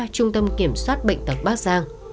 trung tâm kiểm soát bệnh viện nga